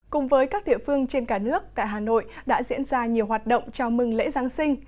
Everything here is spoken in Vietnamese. cùng với các địa phương trên cả nước tại hà nội đã diễn ra nhiều hoạt động chào mừng lễ giáng sinh